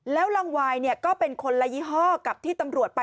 แล้วรังวายก็เป็นคนละยี่ห้อกับที่ตำรวจไป